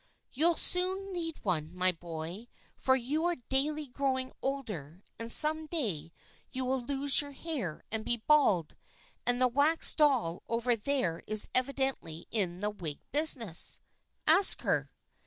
" You'll soon need one, my boy, for you are daily growing older and some day you will lose your hair and be bald, and the wax doll over there is evidently in the wig business. Ask her."